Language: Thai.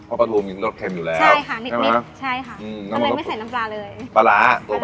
โอละตอนนี้พร้อมแล้วแครกับ